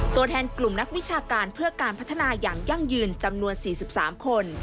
ตัวแทนกลุ่มนักวิชาการเพื่อการพัฒนาอย่างยั่งยืนจำนวน๔๓คน